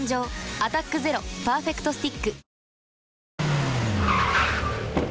「アタックＺＥＲＯパーフェクトスティック」